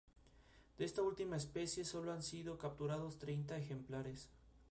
De esta última especie, solo han sido capturados treinta ejemplares.